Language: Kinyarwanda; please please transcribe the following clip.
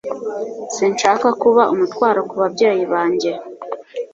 Sinshaka kuba umutwaro ku babyeyi banjye.